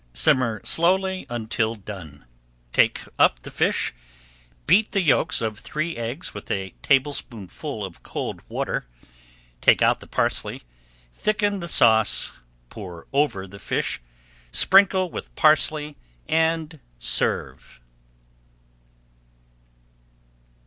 Simmer slowly until done. Take up the fish, beat the yolks of three eggs with a tablespoonful of cold water, take out the parsley, thicken the sauce, pour over the fish, sprinkle with parsley and serve.